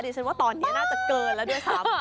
ฉันว่าตอนนี้น่าจะเกินแล้วด้วยซ้ำ